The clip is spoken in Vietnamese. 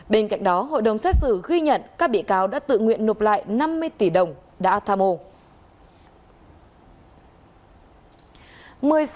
bên cạnh đó hội đồng xét xử ghi nhận các bị cáo đã tự nguyện nộp lại năm mươi tỷ đồng đã tham ô